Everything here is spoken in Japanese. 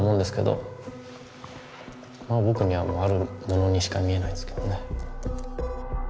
まあ僕にはあるものにしか見えないですけどね。